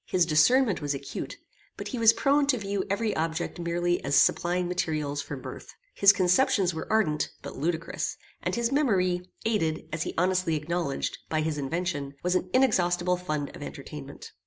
His discernment was acute, but he was prone to view every object merely as supplying materials for mirth. His conceptions were ardent but ludicrous, and his memory, aided, as he honestly acknowledged, by his invention, was an inexhaustible fund of entertainment.